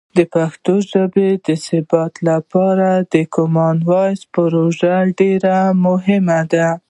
د پښتو ژبې د ثبت لپاره د کامن وایس پروژه ډیر مهمه ده.